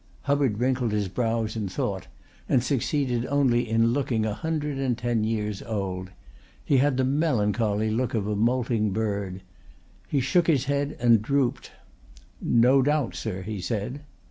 Hubbard wrinkled his brows in thought and succeeded only in looking a hundred and ten years old. He had the melancholy look of a moulting bird. He shook his head and drooped. "No doubt, sir," he said.